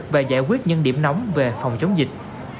và giải quyết những điểm nóng về phòng chống dịch